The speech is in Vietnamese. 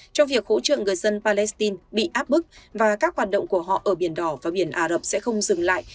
cho việc hỗ trợ người dân palestine bị áp bức và các hoạt động của họ ở biển đỏ và biển ả rập sẽ không dừng lại